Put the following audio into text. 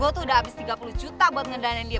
gue tuh udah habis tiga puluh juta buat ngendanain dia